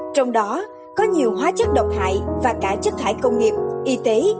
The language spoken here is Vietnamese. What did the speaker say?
trong đó có nhiều hóa chất độc hại và cả chất thải công nghiệp y tế